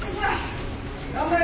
頑張れ！